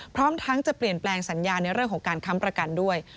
พร้อมทั้งจะเปลี่ยนแปลงสัญญาในเรื่องของการค้ำประกันด้วย